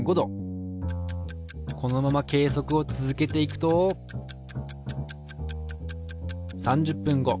このまま計測を続けていくと３０分後。